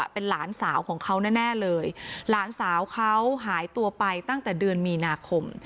เป็นหลานสาวของเขาแน่เลยหลานสาวเขาหายตัวไปตั้งแต่เดือนมีนาคม